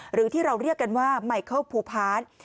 หรือที่เราเรียกกันว่าไมเคิลภูพาร์ท